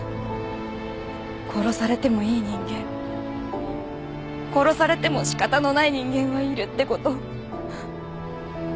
殺されてもいい人間殺されても仕方のない人間はいるって事を。